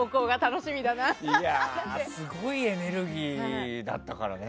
すごいエネルギーだったからね。